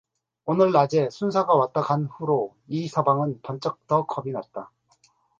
오늘 낮에 순사가 왔다 간 후로 이서방은 번쩍 더 겁이 났다.